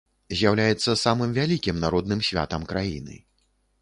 З'яўляецца самым вялікім народным святам краіны.